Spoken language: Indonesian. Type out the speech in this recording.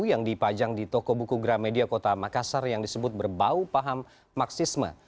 yang dipajang di toko buku gramedia kota makassar yang disebut berbau paham maksisme